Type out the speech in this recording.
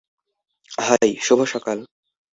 High, শুভ সকাল।